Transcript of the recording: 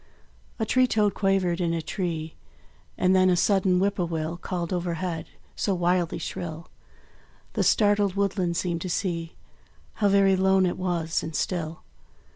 A tree toad quavered in a tree; And then a sudden whip poor will Called overhead, so wildly shrill, The startled woodland seemed to see How very lone it was and still.